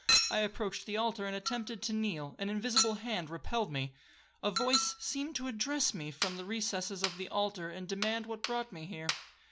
I approached the altar, and attempted to kneel,—an invisible hand repelled me. A voice seemed to address me from the recesses of the altar, and demand what brought me there?